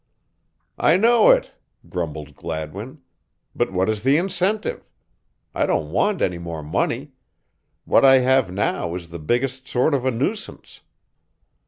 "I know it," grumbled Gladwin, "but what's the incentive? I don't want any more money what I have now is the biggest sort of a nuisance.